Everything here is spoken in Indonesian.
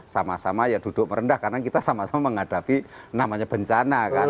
sama sama ya duduk merendah karena kita sama sama menghadapi namanya bencana kan